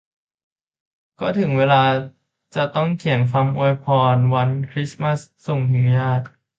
ก็ถึงเวลาจะต้องเขียนคำอวยพรวันคริสต์มาสส่งถึงญาติ